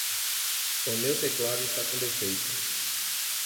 O meu teclado está com defeito.